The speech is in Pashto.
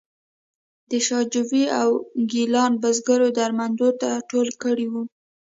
د شاه جوی او ګیلان بزګرو درمندونه ټول کړي وو.